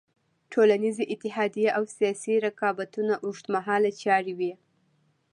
ټولنیزې اتحادیې او سیاسي رقابتونه اوږد مهاله چارې وې.